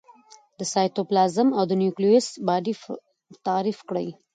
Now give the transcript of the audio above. د سایتوپلازم او نیوکلیوس باډي تعریف کړي.